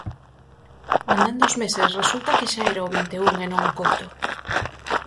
Andando os meses, resulta que xa era o Vinteún e non o Couto.